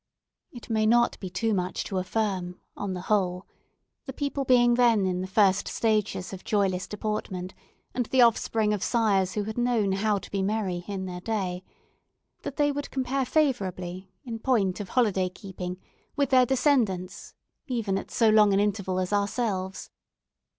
It may not be too much to affirm, on the whole, (the people being then in the first stages of joyless deportment, and the offspring of sires who had known how to be merry, in their day), that they would compare favourably, in point of holiday keeping, with their descendants, even at so long an interval as ourselves.